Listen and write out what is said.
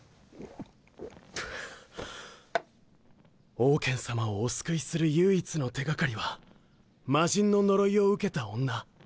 オウケン様をお救いする唯一の手掛かりは魔神の呪いを受けた女。